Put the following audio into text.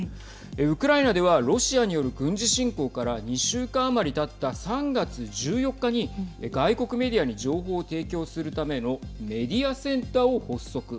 ウクライナではロシアによる軍事侵攻から２週間余りたった３月１４日に外国メディアに情報を提供するためのメディアセンターを発足。